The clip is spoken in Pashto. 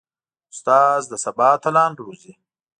استاد د سبا اتلان روزي.